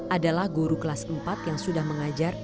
adalah guru kelas empat yang sudah mengajar enam belas tahun